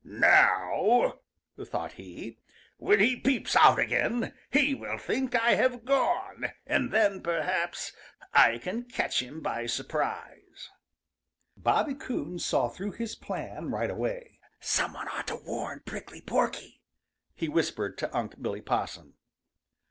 "Now," thought he, "when he peeps out again, he will think I have gone, and then perhaps I can catch him by surprise." Bobby Coon saw through his plan right away. "Some one ought to warn Prickly Porky," he whispered to Unc' Billy Possum.